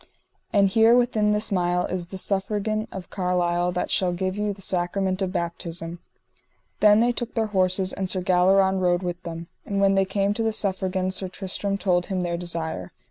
And here within this mile is the Suffragan of Carlisle that shall give you the sacrament of baptism. Then they took their horses and Sir Galleron rode with them. And when they came to the Suffragan Sir Tristram told him their desire.